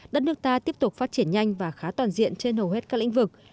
đất nước ta tiếp tục phát triển nhanh và khá toàn diện trên hầu hết các lĩnh vực